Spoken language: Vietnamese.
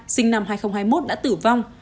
sinh năm hai nghìn hai mươi một đã tử vong